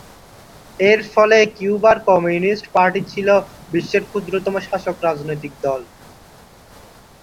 এর ফলে কিউবার communist party ছিল বিশ্বের ক্ষুদ্রতম শাসক রাজনৈতিক দল।